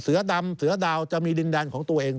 เสือดำเสือดาวจะมีดินแดนของตัวเอง